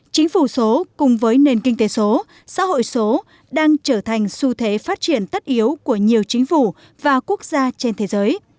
chính phủ số cùng với nền kinh tế số xã hội số đang trở thành xu thế phát triển tất yếu của nhiều chính phủ và quốc gia trên thế giới